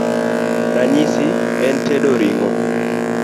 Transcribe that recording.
Ranyisi en tedo ring'o: